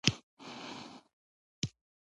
په اماني عصر کې د پښتو ادب وده او پراختیا: